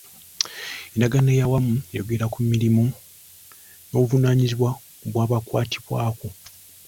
Endagaano ey'awamu eyogera ku mirimu n'obuvunaanyizibwa bw'abakwatibwako.